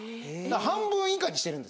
半分以下にしてるんですね。